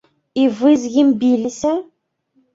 І вы з ім біліся?